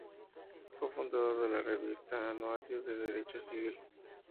Fue fundador de la revista "Anuario de Derecho Civil".